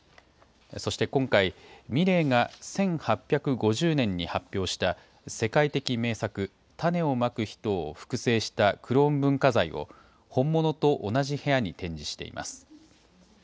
そして今回、ミレーが１８５０年に発表した世界的名作、種をまく人を複製したクローン文化財を、本物と同じ部屋に展示しています。